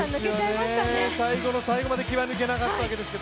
最後の最後まで気は抜けなかったですけど。